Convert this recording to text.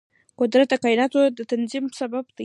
قدرت د کایناتو د تنظیم سبب دی.